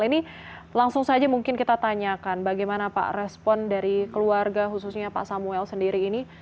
ini langsung saja mungkin kita tanyakan bagaimana pak respon dari keluarga khususnya pak samuel sendiri ini